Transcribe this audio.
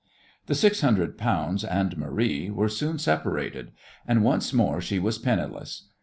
The six hundred pounds and Marie were soon separated, and once more she was penniless.